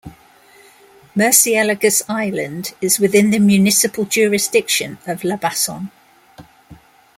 Murcielagos Island is within the municipal jurisdiction of Labason.